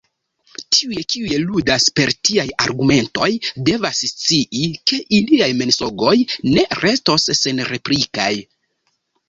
Tiuj, kiuj ludas per tiaj argumentoj, devas scii, ke iliaj mensogoj ne restos senreplikaj.